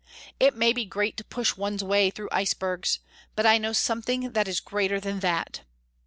It may be great to push one's way through icebergs but I know something that is greater than that!